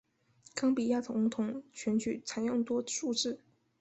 冈比亚总统选举采用多数制。